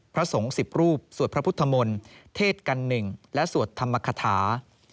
พระสงฆ์๑๐รูปสวดพระพุทธมนตร์เทศกันหนึ่งและสวดธรรมคาถา